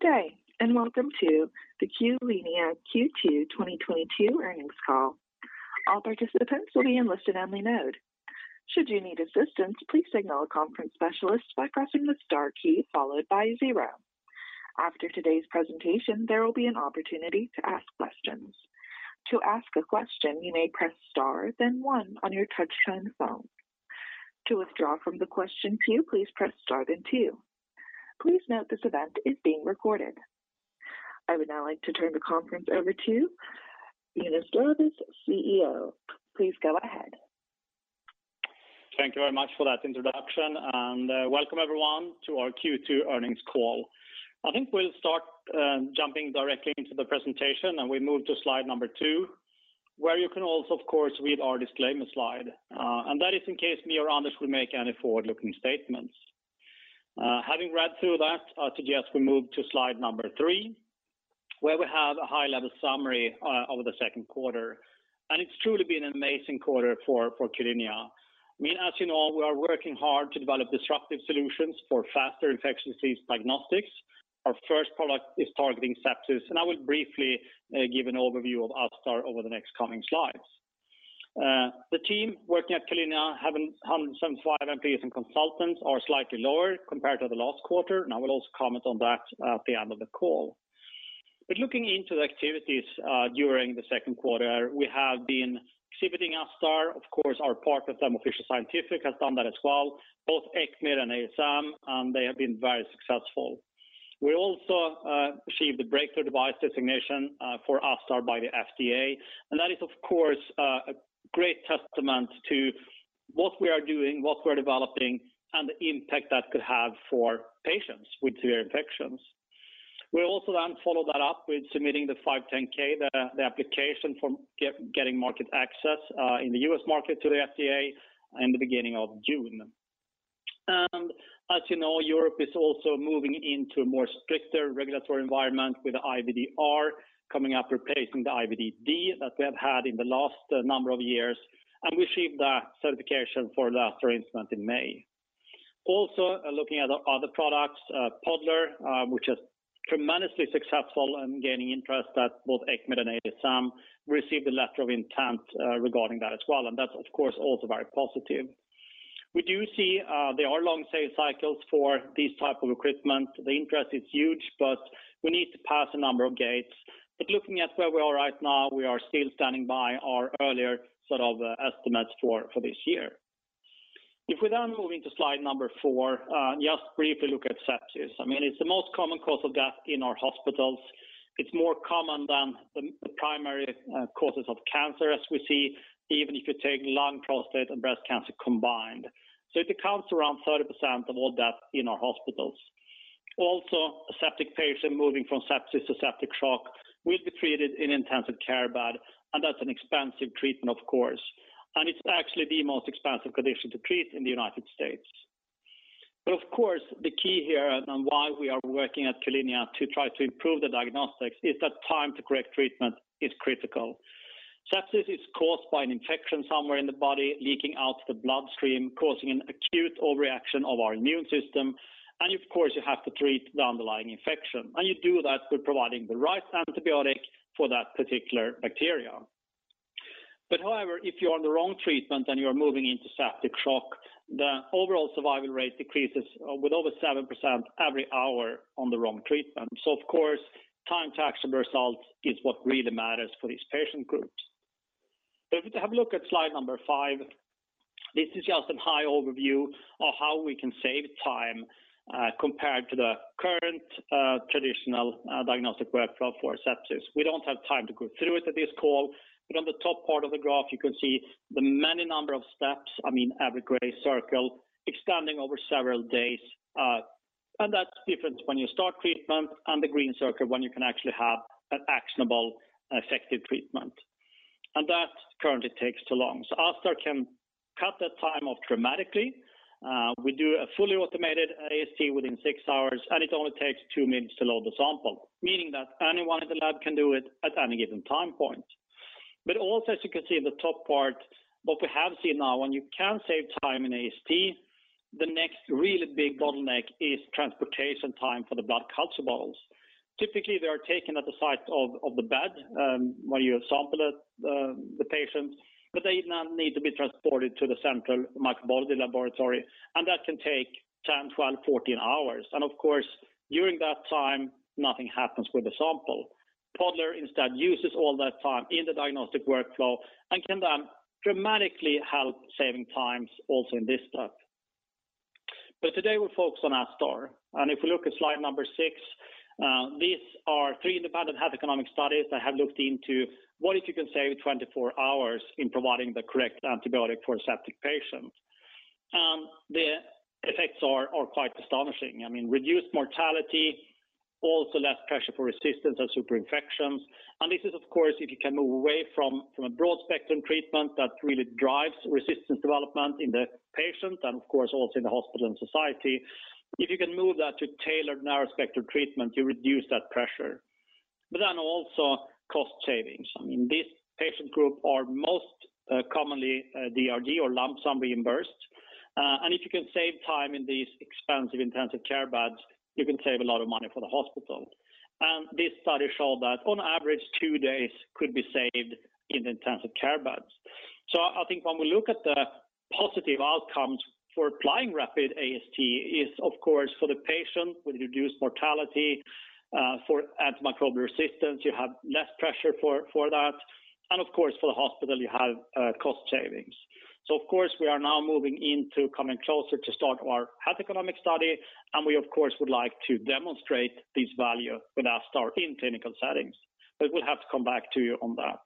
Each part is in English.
Good day, and welcome to the Q-linea Q2 2022 earnings call. All participants will be in listen-only mode. Should you need assistance, please signal a conference specialist by pressing the star key followed by zero. After today's presentation, there will be an opportunity to ask questions. To ask a question, you may press star then one on your touch-tone phone. To withdraw from the question queue, please press star then two. Please note this event is being recorded. I would now like to turn the conference over to Jonas Jarvius, CEO. Please go ahead. Thank you very much for that introduction, and welcome everyone to our Q2 earnings call. I think we'll start jumping directly into the presentation, and we move to slide number two, where you can also, of course, read our disclaimer slide. That is in case me or Anders will make any forward-looking statements. Having read through that, I'll suggest we move to slide number three, where we have a high-level summary of the second quarter. It's truly been an amazing quarter for Q-linea. I mean, as you know, we are working hard to develop disruptive solutions for faster infectious disease diagnostics. Our first product is targeting sepsis, and I will briefly give an overview of ASTar over the next coming slides. The team working at Q-linea have 175 employees and consultants are slightly lower compared to the last quarter, and I will also comment on that at the end of the call. Looking into the activities during the second quarter, we have been exhibiting ASTar. Of course, our partner, Thermo Fisher Scientific, has done that as well, both ECCMID and ASM, and they have been very successful. We also achieved the breakthrough device designation for ASTar by the FDA. That is, of course, a great testament to what we are doing, what we're developing, and the impact that could have for patients with severe infections. We also followed that up with submitting the 510(k), the application for getting market access in the U.S. market to the FDA in the beginning of June. As you know, Europe is also moving into a more stricter regulatory environment with the IVDR coming up, replacing the IVDD that we have had in the last number of years, and we received that certification for that for instance, in May. Also, looking at other products, Podler, which is tremendously successful in gaining interest at both ECCMID and ASM, received a letter of intent regarding that as well. That's, of course, also very positive. We do see there are long sales cycles for these type of equipment. The interest is huge, but we need to pass a number of gates. Looking at where we are right now, we are still standing by our earlier sort of estimates for this year. If we then move into slide number four, just briefly look at sepsis. I mean, it's the most common cause of death in our hospitals. It's more common than the primary causes of cancer, as we see, even if you take lung, prostate, and breast cancer combined. It accounts around 30% of all death in our hospitals. Also, a septic patient moving from sepsis to septic shock will be treated in intensive care bed, and that's an expensive treatment, of course. It's actually the most expensive condition to treat in the United States. Of course, the key here on why we are working at Q-linea to try to improve the diagnostics is that time to correct treatment is critical. Sepsis is caused by an infection somewhere in the body leaking out to the bloodstream, causing an acute overreaction of our immune system. Of course, you have to treat the underlying infection. You do that with providing the right antibiotic for that particular bacteria. However, if you're on the wrong treatment and you're moving into septic shock, the overall survival rate decreases with over 7% every hour on the wrong treatment. Of course, time to actionable result is what really matters for these patient groups. If we have a look at slide number five, this is just a high-level overview of how we can save time compared to the current traditional diagnostic workflow for sepsis. We don't have time to go through it at this call, but on the top part of the graph, you can see a number of steps, I mean, every gray circle, extending over several days, and that's different when you start treatment and the green circle when you can actually have an actionable effective treatment. That currently takes too long. ASTar can cut that time off dramatically. We do a fully automated AST within six hours, and it only takes two minutes to load the sample, meaning that anyone in the lab can do it at any given time point. Also, as you can see in the top part, what we have seen now, when you can save time in AST, the next really big bottleneck is transportation time for the blood culture bottles. Typically, they are taken at the site of the bed, where you have sampled the patients, but they now need to be transported to the central microbiology laboratory, and that can take 10, 12, 14 hours. Of course, during that time, nothing happens with the sample. Podler instead uses all that time in the diagnostic workflow and can then dramatically help saving times also in this step. Today, we'll focus on ASTar. If we look at slide number six, these are three independent health economic studies that have looked into what if you can save 24 hours in providing the correct antibiotic for a septic patient. The effects are quite astonishing. I mean, reduced mortality, also less pressure for resistance and superinfections. This is, of course, if you can move away from a broad-spectrum treatment that really drives resistance development in the patient and of course also in the hospital and society. If you can move that to tailored narrow-spectrum treatment, you reduce that pressure. Then also cost savings. I mean, this patient group are most commonly DRG or lump sum reimbursed. If you can save time in these expensive intensive care beds, you can save a lot of money for the hospital. This study showed that on average two days could be saved in intensive care beds. I think when we look at the positive outcomes for applying rapid AST is of course, for the patient with reduced mortality, for antimicrobial resistance, you have less pressure for that. Of course, for the hospital you have cost savings. Of course, we are now moving into coming closer to start our health economic study, and we of course would like to demonstrate this value with ASTar in clinical settings. We'll have to come back to you on that.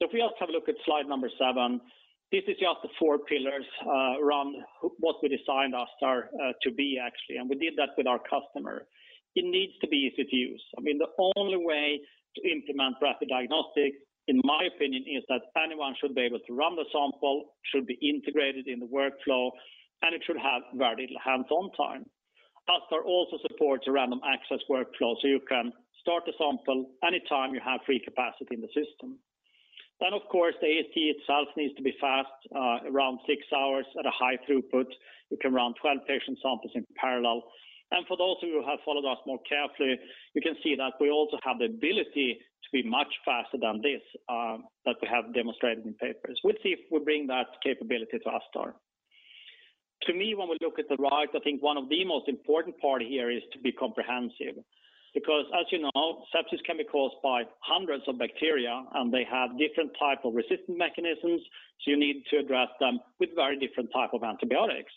If we also have a look at slide number seven, this is just the four pillars around what we designed ASTar to be actually, and we did that with our customer. It needs to be easy to use. I mean, the only way to implement rapid diagnostic in my opinion, is that anyone should be able to run the sample, should be integrated in the workflow, and it should have very hands-on time. ASTar also supports a random access workflow, so you can start the sample anytime you have free capacity in the system. Of course, the AST itself needs to be fast, around six hours at a high throughput. You can run 12 patient samples in parallel. For those who have followed us more carefully, you can see that we also have the ability to be much faster than this, that we have demonstrated in papers. We'll see if we bring that capability to ASTar. To me, when we look at the right, I think one of the most important part here is to be comprehensive, because as you know, sepsis can be caused by hundreds of bacteria, and they have different type of resistant mechanisms. You need to address them with very different type of antibiotics.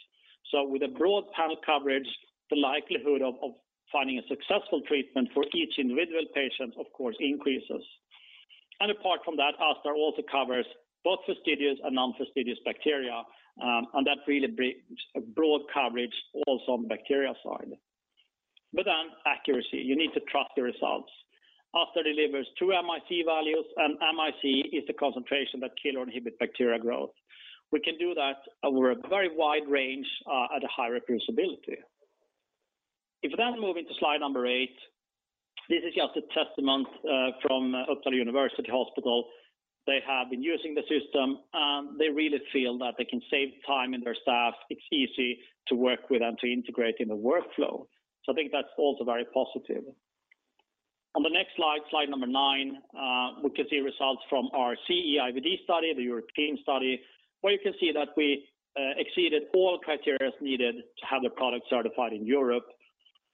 With a broad panel coverage, the likelihood of finding a successful treatment for each individual patient of course increases. Apart from that, ASTar also covers both fastidious and non-fastidious bacteria. That really brings a broad coverage also on bacteria side. Accuracy, you need to trust the results. ASTar delivers two MIC values, and MIC is the concentration that kill or inhibit bacteria growth. We can do that over a very wide range at a high reproducibility. If we then move into slide number eight, this is just a testament from Uppsala University Hospital. They have been using the system, and they really feel that they can save time in their staff. It's easy to work with and to integrate in the workflow. I think that's also very positive. On the next slide number nine, we can see results from our CE-IVD study, the European study, where you can see that we exceeded all criteria needed to have the product certified in Europe.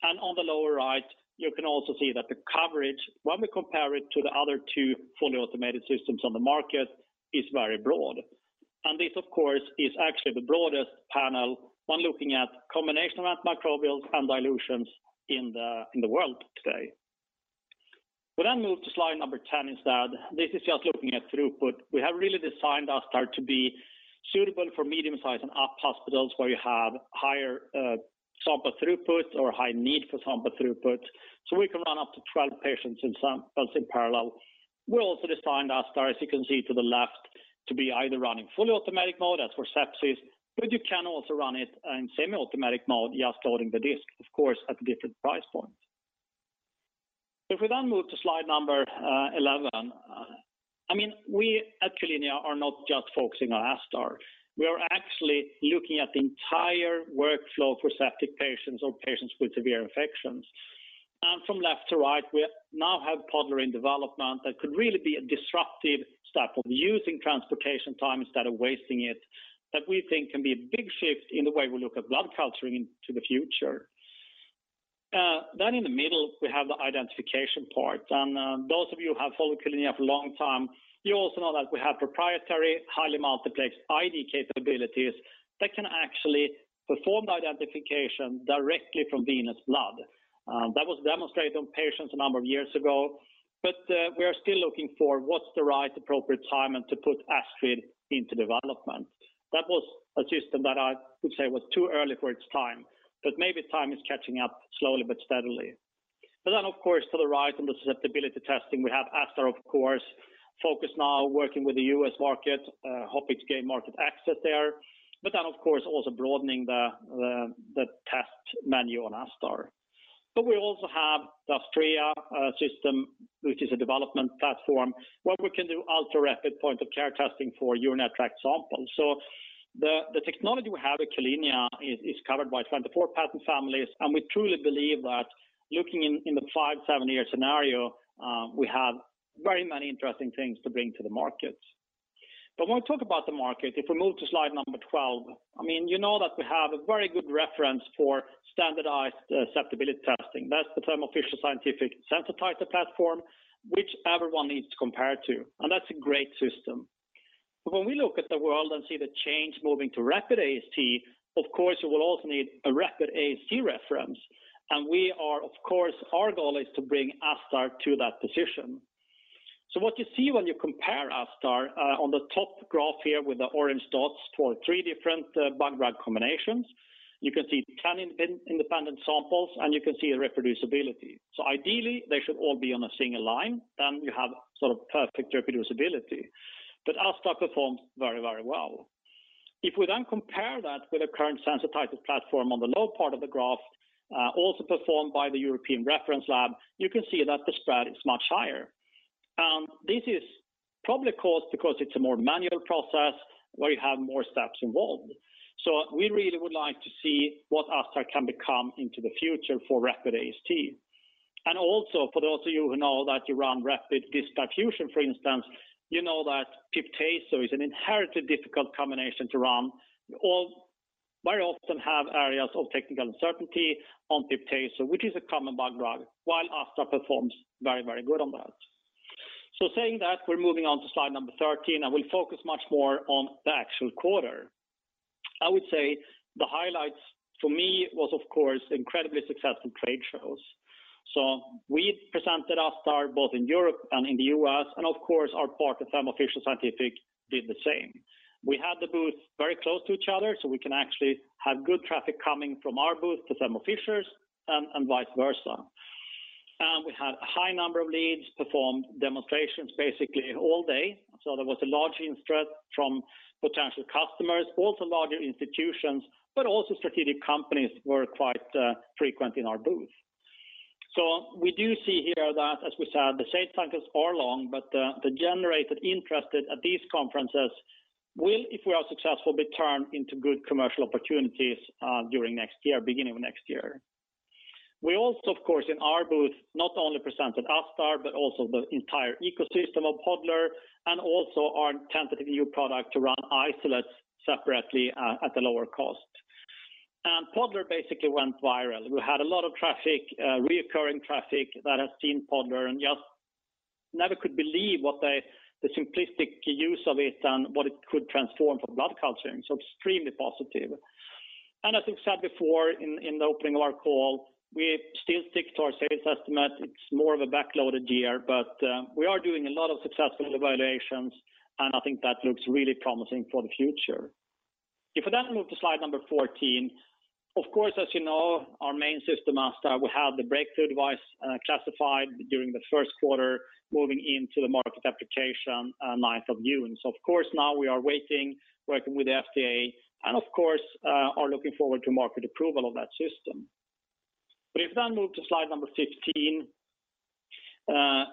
On the lower right, you can also see that the coverage when we compare it to the other two fully automated systems on the market is very broad. This of course is actually the broadest panel when looking at combination of microbials and dilutions in the world today. We move to slide number 10 instead. This is just looking at throughput. We have really designed ASTar to be suitable for medium size and up hospitals where you have higher sample throughput or high need for sample throughput. We can run up to 12 patient samples in parallel. We've also designed ASTar, as you can see to the left, to be either running fully automatic mode as for sepsis, but you can also run it in semi-automatic mode just loading the disk, of course, at different price points. If we move to slide number 11, I mean, we at Q-linea are not just focusing on ASTar. We are actually looking at the entire workflow for septic patients or patients with severe infections. From left to right, we now have Podler in development. That could really be a disruptive step of using transportation time instead of wasting it, that we think can be a big shift in the way we look at blood culturing into the future. In the middle we have the identification part. Those of you who have followed Q-linea for a long time, you also know that we have proprietary, highly multiplexed ID capabilities that can actually perform the identification directly from venous blood. That was demonstrated on patients a number of years ago, but we are still looking for what's the right appropriate time and to put ASTrID into development. That was a system that I would say was too early for its time, but maybe time is catching up slowly but steadily. To the right on the susceptibility testing, we have ASTar of course, focused now working with the U.S. market, hoping to gain market access there. Broadening the test menu on ASTar. We also have the ASTar system, which is a development platform where we can do ultra-rapid point-of-care testing for urinary tract samples. The technology we have at Q-linea is covered by 24 patent families, and we truly believe that looking in the five, seven-year scenario, we have very many interesting things to bring to the markets. When we talk about the market, if we move to slide number 12, I mean, you know that we have a very good reference for standardized susceptibility testing. That's the Thermo Fisher Scientific Sensititre platform, which everyone needs to compare to, and that's a great system. When we look at the world and see the change moving to rapid AST, of course, we'll also need a rapid AST reference. Our goal is to bring ASTar to that position. What you see when you compare ASTar on the top graph here with the orange dots for three different bug-drug combinations, you can see 10 independent samples and you can see a reproducibility. Ideally, they should all be on a single line, then you have sort of perfect reproducibility. ASTar performs very, very well. If we then compare that with a current Sensititre platform on the lower part of the graph, also performed by the European reference lab, you can see that the spread is much higher. This is probably caused because it's a more manual process where you have more steps involved. We really would like to see what ASTar can become into the future for rapid AST. Also for those of you who know that you run rapid disk diffusion, for instance, you know that pip/tazo is an inherently difficult combination to run. All very often have areas of technical uncertainty on pip/tazo, which is a common bug-drug, while ASTar performs very, very good on that. Saying that, we're moving on to slide number 13, and we'll focus much more on the actual quarter. I would say the highlights for me was, of course, incredibly successful trade shows. We presented ASTar both in Europe and in the U.S., and of course, our partner, Thermo Fisher Scientific, did the same. We had the booth very close to each other, so we can actually have good traffic coming from our booth to Thermo Fisher's and vice versa. We had a high number of leads, performed demonstrations basically all day. There was a large interest from potential customers, also larger institutions, but also strategic companies were quite frequent in our booth. We do see here that, as we said, the sales cycles are long, but the generated interest at these conferences will, if we are successful, be turned into good commercial opportunities during next year, beginning of next year. We also, of course, in our booth, not only presented ASTar, but also the entire ecosystem of Podler and also our tentative new product to run isolates separately, at a lower cost. Podler basically went viral. We had a lot of traffic, recurring traffic that has seen Podler and just never could believe what they, the simplistic use of it and what it could transform for blood culturing. Extremely positive. As we've said before in the opening of our call, we still stick to our sales estimate. It's more of a back-loaded year, but, we are doing a lot of successful evaluations, and I think that looks really promising for the future. If we then move to slide number 14, of course, as you know, our main system, ASTar, we have the Breakthrough Device classified during the first quarter, moving into the market application June 9th. Of course, now we are waiting, working with the FDA, and of course, are looking forward to market approval of that system. We move to slide number 15.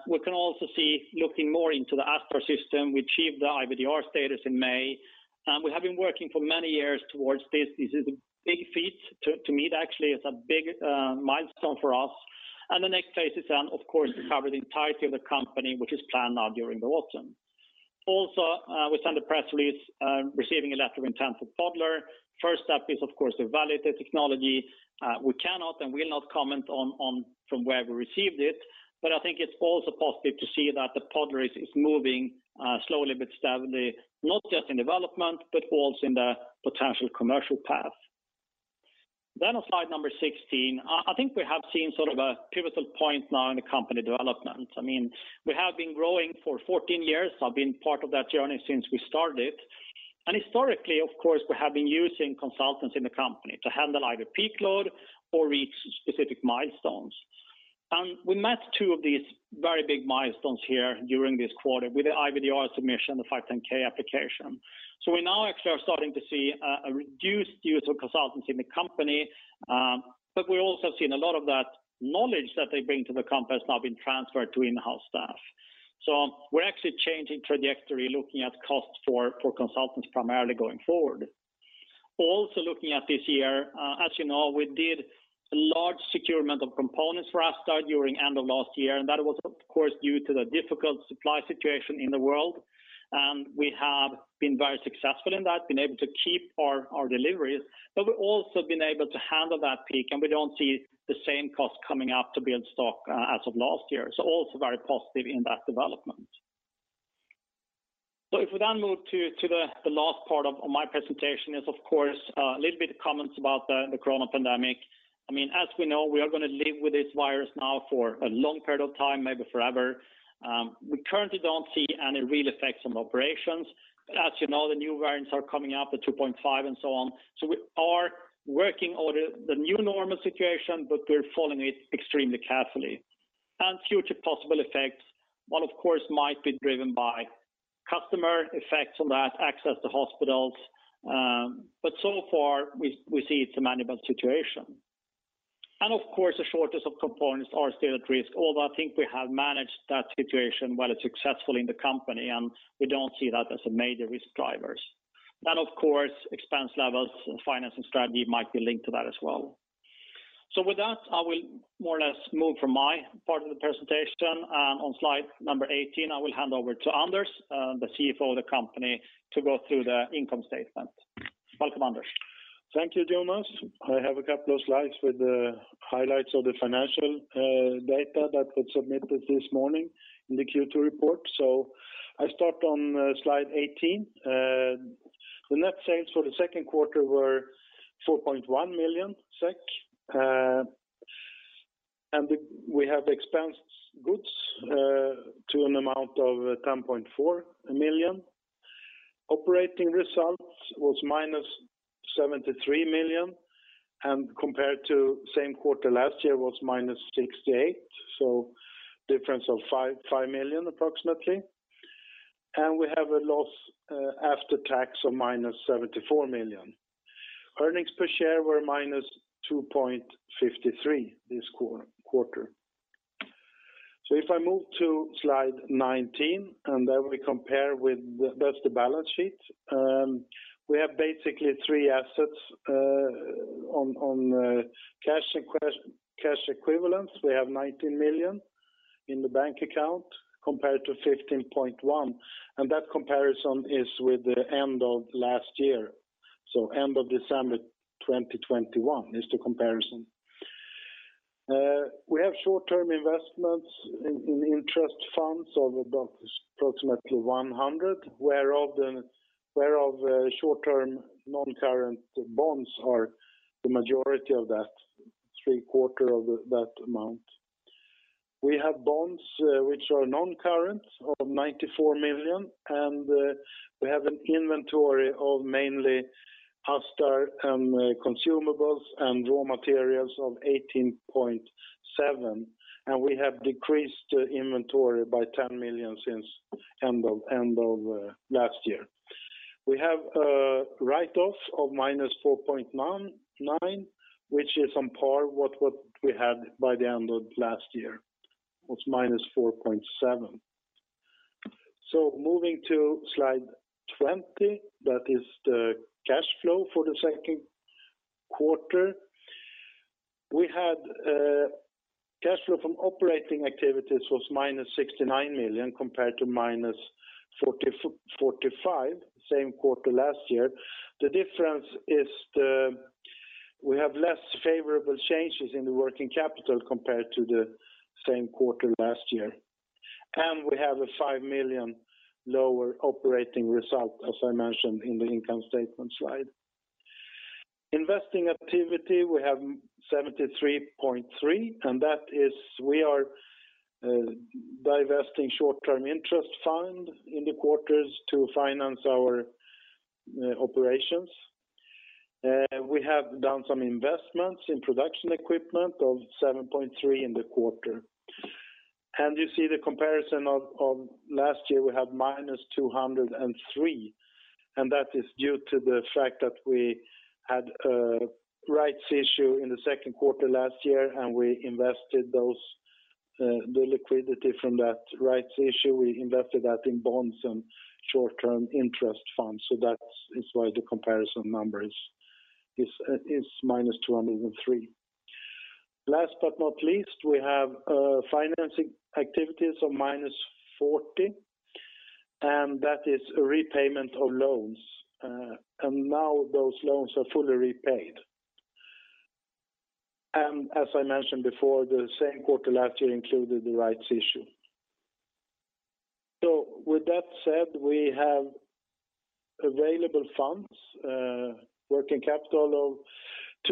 We can also see, looking more into the ASTar system, we achieved the IVDR status in May, and we have been working for many years towards this. This is a big feat to meet, actually. It's a big milestone for us. The next phase is then, of course, to cover the entirety of the company, which is planned now during the autumn. Also, we sent a press release receiving a letter of intent for Podler. First step is, of course, to validate technology. We cannot and will not comment on from where we received it, but I think it's also positive to see that the Podler is moving slowly but steadily, not just in development, but also in the potential commercial path. On slide number 16, I think we have seen sort of a pivotal point now in the company development. I mean, we have been growing for 14 years. I've been part of that journey since we started. Historically, of course, we have been using consultants in the company to handle either peak load or reach specific milestones. We met two of these very big milestones here during this quarter with the IVDR submission, the 510(k) application. We now actually are starting to see a reduced use of consultants in the company. We're also seeing a lot of that knowledge that they bring to the company has now been transferred to in-house staff. We're actually changing trajectory, looking at costs for consultants primarily going forward. Also, looking at this year, as you know, we secured a large amount of components for ASTar at the end of last year, and that was, of course, due to the difficult supply situation in the world. We have been very successful in that, been able to keep our deliveries, but we've also been able to handle that peak, and we don't see the same cost coming up to build stock as last year. Also very positive in that development. If we then move to the last part of my presentation is, of course, a little bit of comments about the corona pandemic. I mean, as we know, we are gonna live with this virus now for a long period of time, maybe forever. We currently don't see any real effects on operations. As you know, the new variants are coming up, the 2.5 and so on. We are working on the new normal situation, but we're following it extremely carefully. Future possible effects, one of course, might be driven by customer effects on that, access to hospitals, but so far we see it's a manageable situation. Of course, the shortage of components are still at risk, although I think we have managed that situation rather successfully in the company, and we don't see that as a major risk drivers. Of course, expense levels and financing strategy might be linked to that as well. With that, I will more or less move from my part of the presentation. On slide number 18, I will hand over to Anders, the CFO of the company, to go through the income statement. Welcome, Anders. Thank you, Jonas. I have a couple of slides with the highlights of the financial data that was submitted this morning in the Q2 report. I start on slide 18. The net sales for the second quarter were 4.1 million SEK, and we have expensed goods to an amount of 10.4 million. Operating results was -73 million and compared to same quarter last year was -68 million, so difference of 5 million approximately. We have a loss after tax of -74 million. Earnings per share were -2.53 this quarter. If I move to slide 19, and then we compare. That's the balance sheet. We have basically three assets on cash equivalents. We have 19 million in the bank account compared to 15.1 million, and that comparison is with the end of last year. End of December 2021 is the comparison. We have short-term investments in interest funds of about approximately 100 million, whereof short-term non-current bonds are the majority of that 3/4 of that amount. We have bonds which are non-current of 94 million, and we have an inventory of mainly ASTar and consumables and raw materials of 18.7 million. We have decreased inventory by 10 million since end of last year. We have a write-off of -4.9 million which is on par with what we had by the end of last year, was -4.7 million. Moving to slide 20, that is the cash flow for the second quarter. We had cash flow from operating activities was -69 million compared to -45 million same quarter last year. The difference is we have less favorable changes in the working capital compared to the same quarter last year. We have a 5 million lower operating result, as I mentioned in the income statement slide. Investing activity, we have 73.3 million, and that is we are divesting short-term interest fund in the quarter to finance our operations. We have done some investments in production equipment of 7.3 million in the quarter. You see the comparison of last year, we have -203 million. That is due to the fact that we had rights issue in the second quarter last year, and we invested the liquidity from that rights issue. We invested that in bonds and short-term interest funds. That is why the comparison number is -203 million. Last but not least, we have financing activities of -40 million, and that is repayment of loans. Now those loans are fully repaid. As I mentioned before, the same quarter last year included the rights issue. With that said, we have available funds, working capital of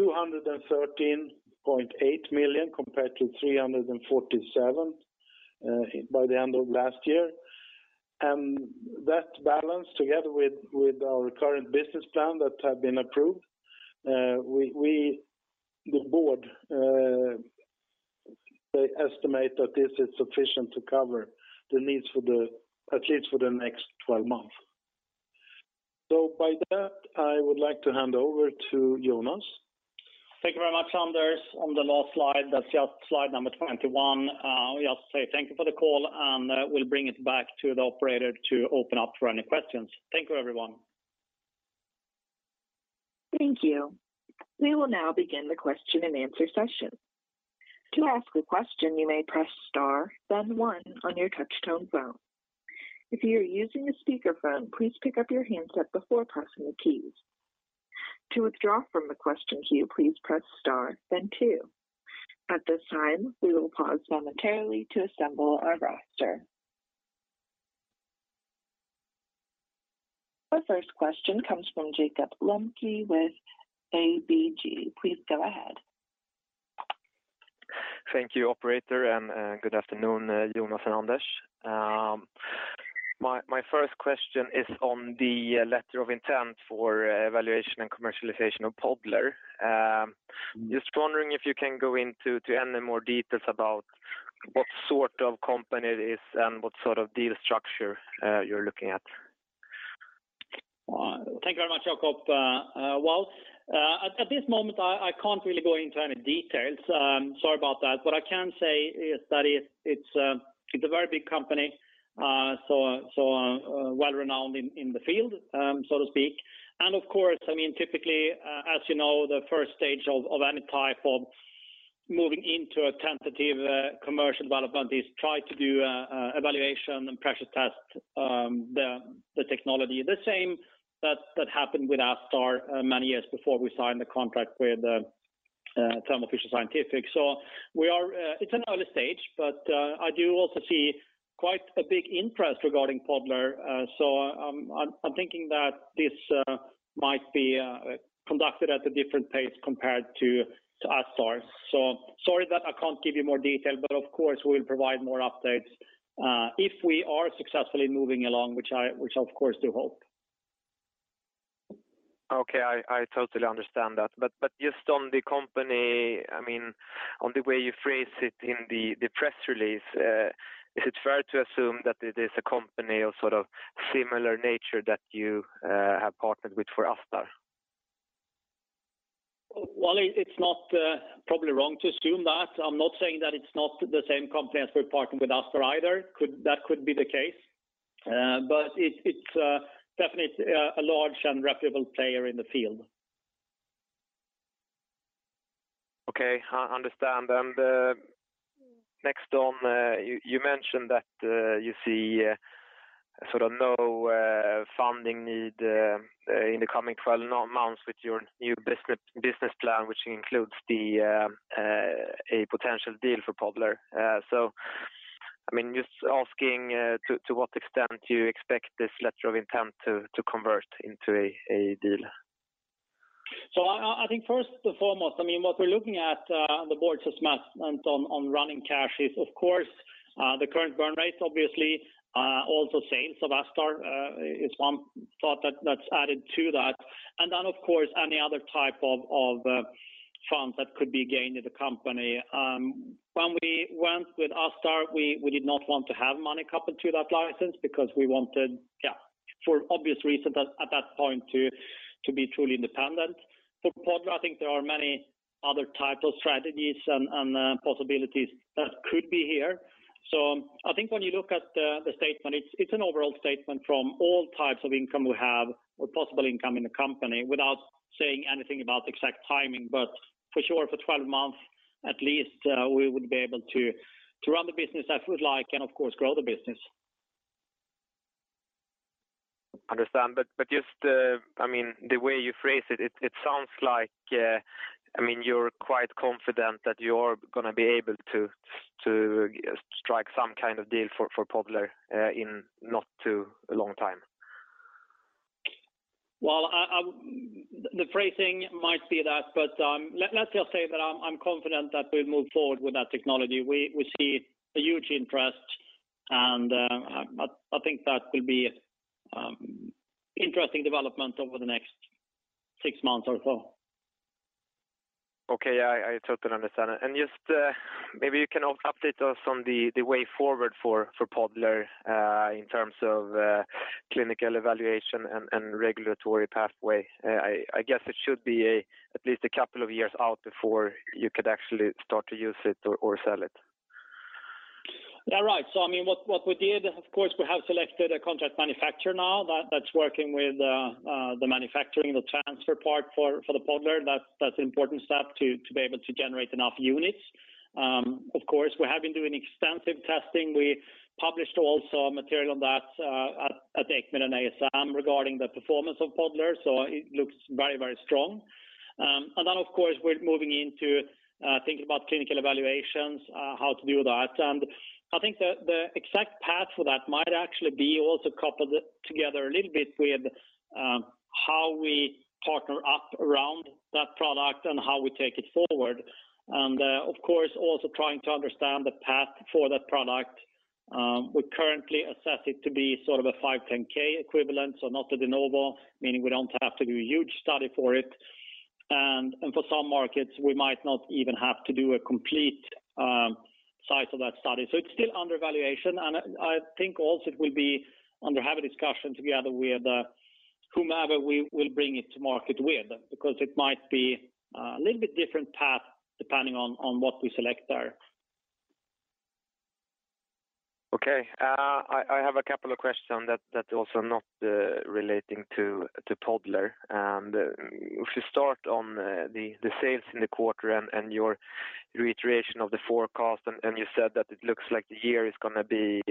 213.8 million compared to 347 million by the end of last year. That balance, together with our current business plan that have been approved, we, the board, they estimate that this is sufficient to cover the needs for at least the next 12 months. By that, I would like to hand over to Jonas. Thank you very much, Anders. On the last slide, that's just slide number 21. I'll just say thank you for the call, and we'll bring it back to the operator to open up for any questions. Thank you, everyone. Thank you. We will now begin the question-and-answer session. To ask a question, you may press star then one on your touch-tone phone. If you are using a speakerphone, please pick up your handset before pressing the keys. To withdraw from the question queue, please press star then two. At this time, we will pause momentarily to assemble our roster. Our first question comes from Jakob Lembke with ABG. Please go ahead. Thank you, operator, and good afternoon, Jonas and Anders. My first question is on the letter of intent for evaluation and commercialization of Podler. Just wondering if you can go into any more details about what sort of company it is and what sort of deal structure you're looking at. Thank you very much, Jakob. At this moment, I can't really go into any details. Sorry about that. What I can say is that it's a very big company, so well-renowned in the field, so to speak. Of course, I mean, typically, as you know, the first stage of any type of moving into a tentative commercial development is try to do evaluation and pressure test the technology. The same that happened with ASTar many years before we signed the contract with Thermo Fisher Scientific. We are, it's an early stage, but I do also see quite a big interest regarding Podler. I'm thinking that this might be conducted at a different pace compared to ASTar's. Sorry that I can't give you more detail, but of course, we'll provide more updates if we are successfully moving along, which I of course do hope. Okay. I totally understand that. Just on the company, I mean, on the way you phrase it in the press release, is it fair to assume that it is a company of sort of similar nature that you have partnered with for ASTar? Well, it's not probably wrong to assume that. I'm not saying that it's not the same company as we're partnered with ASTar either. That could be the case. It's definitely a large and reputable player in the field. Okay. I understand. Next, you mentioned that you see sort of no funding need in the coming 12 months with your new business plan, which includes a potential deal for Podler. I mean, just asking, to what extent do you expect this letter of intent to convert into a deal? I think first and foremost, I mean, what we're looking at, the board's assessment on running cash is of course, the current burn rates obviously, also same. ASTar is one thing that's added to that. Then of course any other type of funds that could be gained in the company. When we went with ASTar, we did not want to have money coupled to that license because we wanted, yeah, for obvious reasons at that point to be truly independent. For Podler, I think there are many other types of strategies and possibilities that could be here. I think when you look at the statement, it's an overall statement from all types of income we have or possible income in the company without saying anything about the exact timing. For sure for 12 months at least, we would be able to run the business as we would like and of course grow the business. Understand. Just, I mean, the way you phrase it sounds like, I mean, you're quite confident that you're gonna be able to strike some kind of deal for Podler in not too a long time. Well, the phrasing might be that, but, let's just say that I'm confident that we'll move forward with that technology. We see a huge interest and, I think that will be interesting development over the next six months or so. Yeah. I totally understand it. Just, maybe you can update us on the way forward for Podler, in terms of clinical evaluation and regulatory pathway. I guess it should be at least a couple of years out before you could actually start to use it or sell it. Yeah. Right. I mean, what we did, of course, we have selected a contract manufacturer now that's working with the manufacturing, the transfer part for the Podler. That's an important step to be able to generate enough units. Of course, we have been doing extensive testing. We published also material on that at the ECCMID and ASM regarding the performance of Podler. So it looks very strong. Then of course, we're moving into thinking about clinical evaluations, how to do that. I think the exact path for that might actually be also coupled together a little bit with how we partner up around that product and how we take it forward. Of course, also trying to understand the path for that product. We currently assess it to be sort of a 510(k) equivalent, so not a De Novo, meaning we don't have to do a huge study for it. For some markets, we might not even have to do a complete size of that study. It's still under evaluation. I think also it will be under heavy discussion together with whomever we will bring it to market with because it might be a little bit different path depending on what we select there. Okay. I have a couple of questions that also not relating to Podler. If you start on the sales in the quarter and your reiteration of the forecast, and you said that it looks like the year is gonna be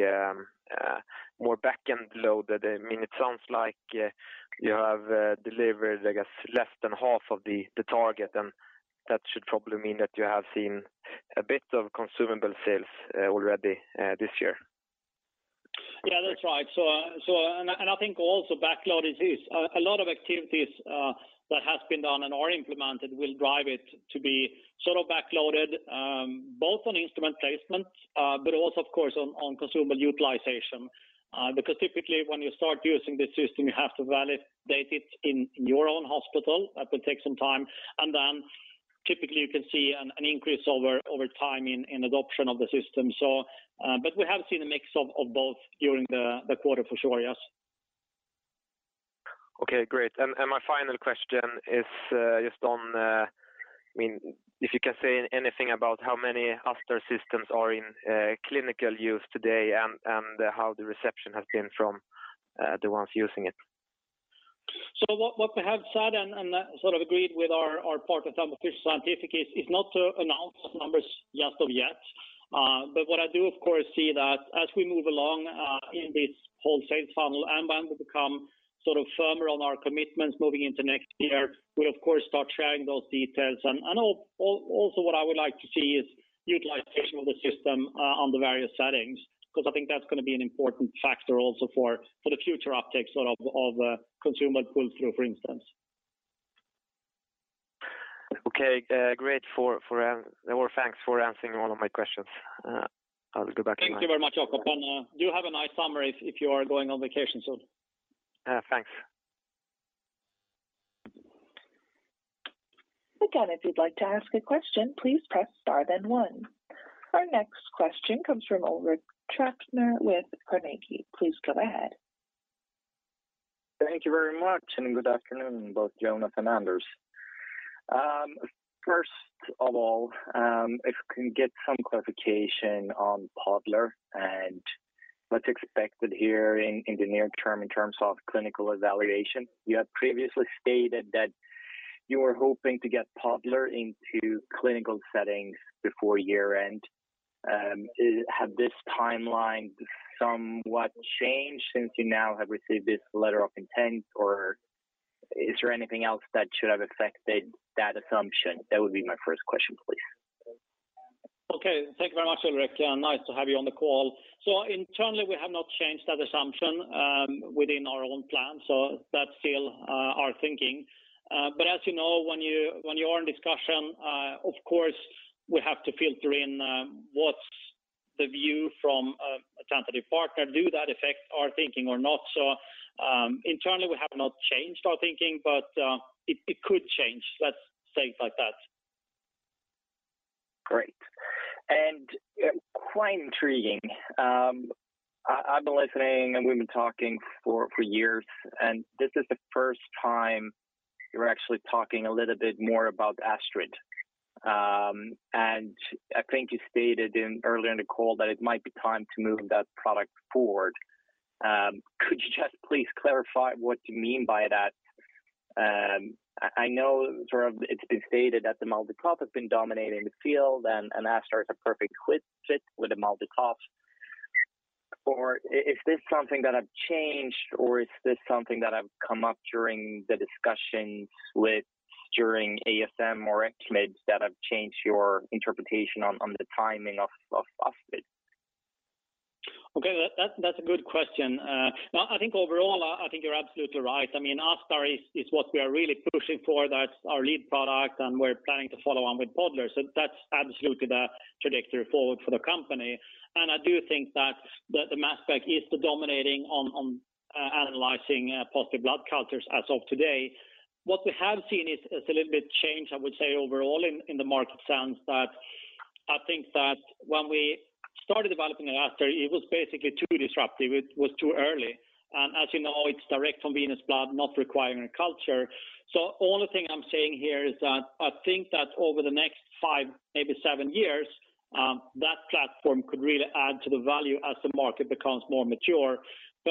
more back-end loaded. I mean, it sounds like you have delivered, I guess, less than half of the target, and that should probably mean that you have seen a bit of consumable sales already this year. Yeah, that's right. I think also the backloading is this. A lot of activities that has been done and are implemented will drive it to be sort of backloaded, both on instrument placement, but also of course on consumable utilization. Because typically when you start using the system, you have to validate it in your own hospital. That will take some time. Then typically you can see an increase over time in adoption of the system. But we have seen a mix of both during the quarter for sure. Yes. Okay, great. My final question is, just on, I mean if you can say anything about how many ASTar systems are in clinical use today and how the reception has been from the ones using it? What we have said and sort of agreed with our partner Thermo Fisher Scientific is not to announce numbers just yet. What I do of course see that as we move along in this whole sales funnel and when we become sort of firmer on our commitments moving into next year, we'll of course start sharing those details. Also what I would like to see is utilization of the system on the various settings, because I think that's gonna be an important factor also for the future uptake sort of consumer pull-through, for instance. Okay. Thanks for answering all of my questions. I'll go back to my- Thank you very much, Jakob. Do have a nice summer if you are going on vacation soon. Thanks. Again, if you'd like to ask a question, please press star then one. Our next question comes from Ulrik Trattner with Carnegie. Please go ahead. Thank you very much, and good afternoon, both Jonas and Anders. First of all, if we can get some clarification on Podler and what's expected here in the near term in terms of clinical evaluation. You have previously stated that you were hoping to get Podler into clinical settings before year-end. Has this timeline somewhat changed since you now have received this letter of intent, or is there anything else that should have affected that assumption? That would be my first question, please. Okay. Thank you very much, Ulrik, and nice to have you on the call. Internally, we have not changed that assumption within our own plan, so that's still our thinking. But as you know, when you are in discussion, of course, we have to filter in what's the view from a tentative partner, does that affect our thinking or not? Internally, we have not changed our thinking, but it could change. Let's say it like that. Great. Quite intriguing. I've been listening and we've been talking for years, and this is the first time you're actually talking a little bit more about ASTrID. I think you stated earlier in the call that it might be time to move that product forward. Could you just please clarify what you mean by that? I know sort of it's been stated that the MALDI-TOF has been dominating the field and ASTar is a perfect fit with the MALDI-TOF. Or is this something that have changed or is this something that have come up during the discussions during ASM or ECCMID that have changed your interpretation on the timing of ASTrID? Okay. That's a good question. No, I think overall, I think you're absolutely right. I mean, ASTar is what we are really pushing for. That's our lead product, and we're planning to follow on with Podler. That's absolutely the trajectory forward for the company. I do think that the mass spec is the dominant one on analyzing positive blood cultures as of today. What we have seen is a little bit change, I would say, overall in the market sense that I think that when we started developing ASTar, it was basically too disruptive. It was too early. As you know, it's direct from venous blood, not requiring a culture. Only thing I'm saying here is that I think that over the next five, maybe seven years, that platform could really add to the value as the market becomes more mature.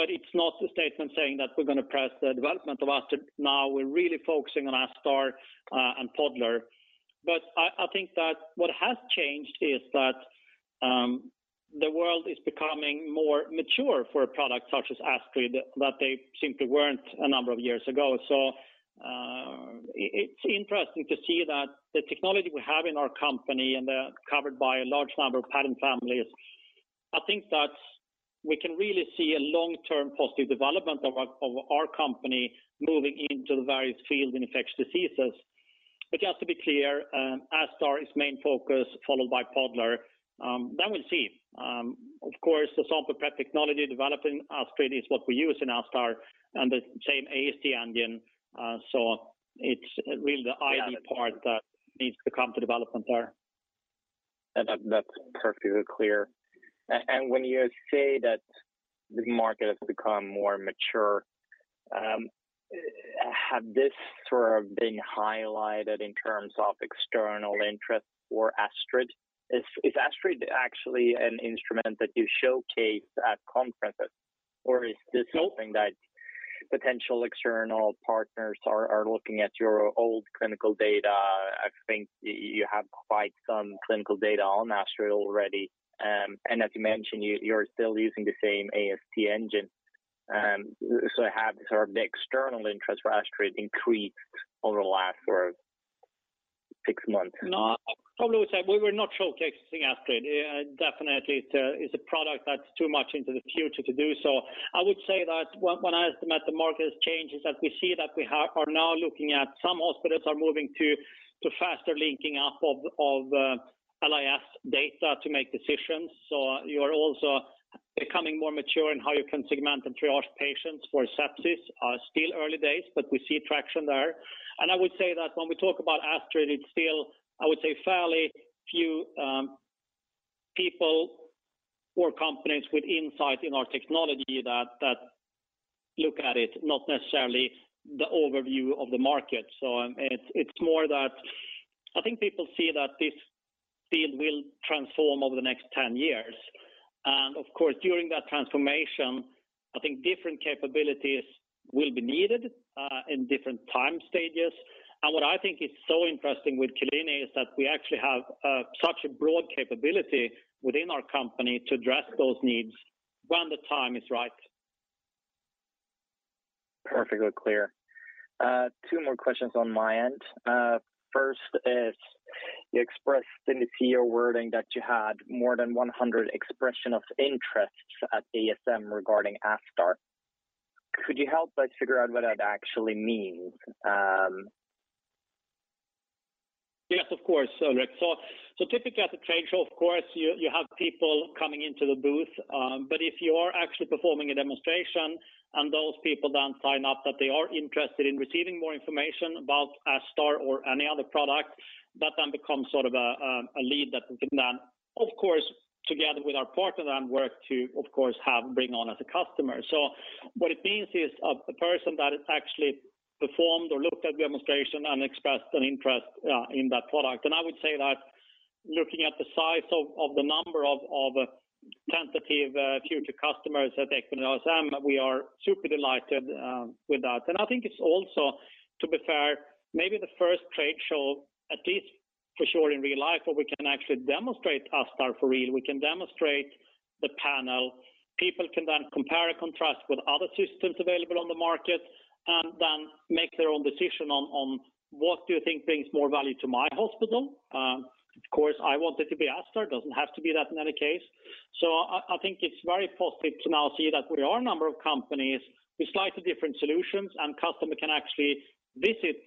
It's not a statement saying that we're gonna press the development of ASTar now. We're really focusing on ASTar and Podler. I think that what has changed is that the world is becoming more mature for a product such as ASTrID that they simply weren't a number of years ago. It's interesting to see that the technology we have in our company and that are covered by a large number of patent families. I think that we can really see a long-term positive development of our company moving into the various fields in infectious diseases. Just to be clear, ASTar is main focus, followed by Podler. We'll see. Of course, the sample prep technology developing ASTrID is what we use in ASTar and the same AST engine. It's really the IV part that needs to come to development there. That, that's perfectly clear. When you say that the market has become more mature, have this sort of been highlighted in terms of external interest for ASTrID? Is ASTrID actually an instrument that you showcase at conferences? Or is this? No Something that potential external partners are looking at your old clinical data? I think you have quite some clinical data on AStrID already. As you mentioned, you're still using the same AST engine. Have sort of the external interest for ASTrID increased over the last, or six months? No. I probably would say we were not showcasing ASTrID. Definitely, it's a product that's too much into the future to do so. I would say that when I estimate the market changes that we see, we are now looking at some hospitals that are moving to faster linking up of LIS data to make decisions. You are also becoming more mature in how you can segment and triage patients for sepsis are still early days, but we see traction there. I would say that when we talk about ASTrID, it's still, I would say, fairly few people or companies with insight in our technology that look at it, not necessarily the overview of the market. It's more that I think people see that this field will transform over the next 10 years. Of course, during that transformation, I think different capabilities will be needed in different time stages. What I think is so interesting with Q-linea is that we actually have such a broad capability within our company to address those needs when the time is right. Perfectly clear. Two more questions on my end. First is you expressed in the PR wording that you had more than 100 expressions of interest at ASM regarding ASTar. Could you help us figure out what that actually means? Yes, of course, Ulrik. Typically at the trade show, of course, you have people coming into the booth, but if you are actually performing a demonstration and those people don't sign up that they are interested in receiving more information about ASTar or any other product, that then becomes sort of a lead that we can then, of course, together with our partner then work to, of course, have bring on as a customer. What it means is a person that actually performed or looked at demonstration and expressed an interest in that product. I would say that looking at the size of the number of tentative future customers at ECCMID and ASM, we are super delighted with that. I think it's also, to be fair, maybe the first trade show, at least for sure in real life, where we can actually demonstrate ASTar for real. We can demonstrate the panel. People can then compare and contrast with other systems available on the market and then make their own decision on what do you think brings more value to my hospital. Of course, I want it to be ASTar. It doesn't have to be that in any case. I think it's very positive to now see that there are a number of companies with slightly different solutions, and customer can actually visit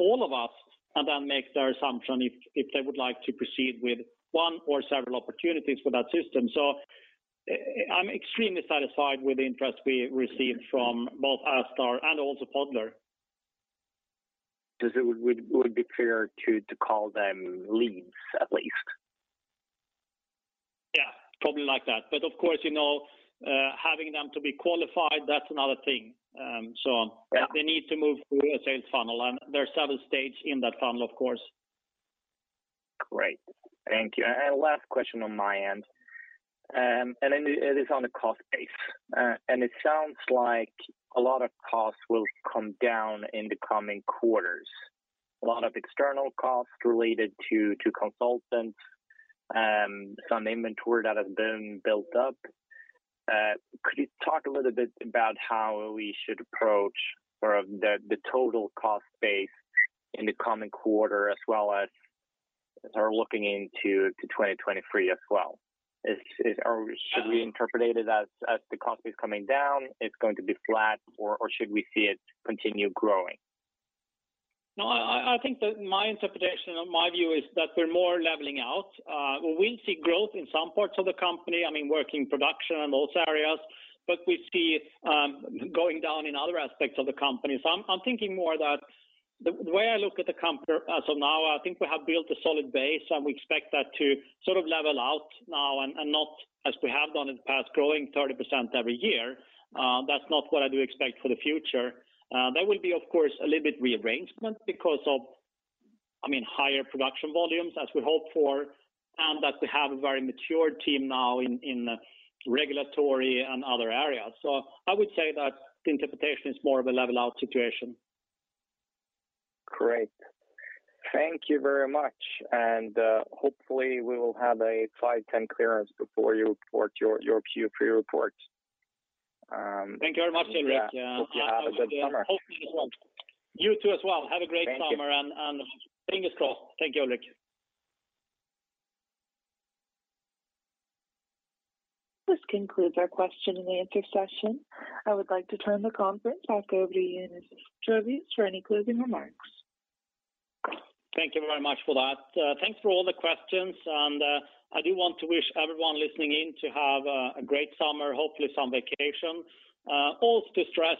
all of us and then make their assessment if they would like to proceed with one or several opportunities for that system. I'm extremely satisfied with the interest we received from both ASTar and also Podler. Would it be fair to call them leads at least? Yeah, probably like that. Of course, you know, having them to be qualified, that's another thing. Yeah. They need to move through a sales funnel and there are several stages in that funnel, of course. Great. Thank you. Last question on my end. It is on the cost base. It sounds like a lot of costs will come down in the coming quarters. A lot of external costs related to consultants, some inventory that has been built up. Could you talk a little bit about how we should approach sort of the total cost base in the coming quarter as well as we're looking into 2023 as well? Or should we interpret it as the cost is coming down, it's going to be flat or should we see it continue growing? No, I think that my interpretation or my view is that we're more leveling out. We will see growth in some parts of the company, I mean, work in production and those areas. We see going down in other aspects of the company. I'm thinking more that the way I look at the company as of now, I think we have built a solid base, and we expect that to sort of level out now and not as we have done in the past, growing 30% every year. That's not what I do expect for the future. There will be, of course, a little bit rearrangement because of, I mean, higher production volumes as we hope for, and that we have a very mature team now in regulatory and other areas. I would say that the interpretation is more of a level out situation. Great. Thank you very much. Hopefully we will have a 510(k) clearance before you report your Q3 report. Thank you very much, Ulrik. Yeah. Yeah. Have a good summer. Hopefully. You too as well. Have a great summer. Thank you. Fingers crossed. Thank you, Ulrik. This concludes our question-and-answer session. I would like to turn the conference back over to you, Mr. Jarvius, for any closing remarks. Thank you very much for that. Thanks for all the questions. I do want to wish everyone listening in to have a great summer, hopefully some vacation. Also to stress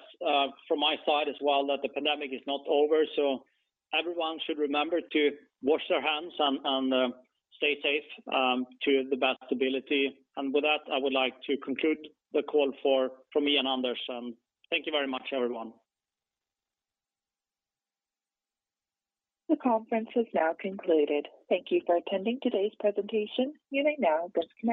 from my side as well that the pandemic is not over, so everyone should remember to wash their hands and stay safe to the best ability. With that, I would like to conclude the call from me and Anders. Thank you very much, everyone. The conference is now concluded. Thank you for attending today's presentation. You may now disconnect.